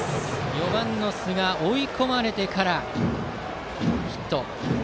４番の寿賀追い込まれてからヒット。